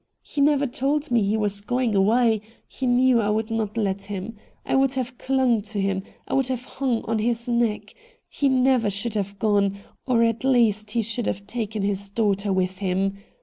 He never told me he was going away — he knew I would not let him — I would have clung to him — I would have hung on his neck — he never should have gone, or at least he should have taken his daughter with him